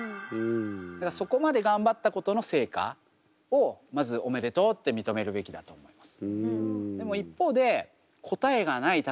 だからそこまで頑張ったことの成果をまずおめでとうって認めるべきだと思います。